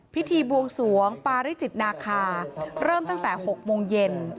พิธีบวงสวงปาริจิตนาคาเริ่มตั้งแต่๖โมงเย็น